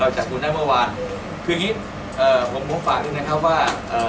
จับคุณได้เมื่อวานคืออย่างงี้เอ่อผมผมฝากด้วยนะครับว่าเอ่อ